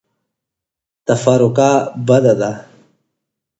تفرقه بده ده.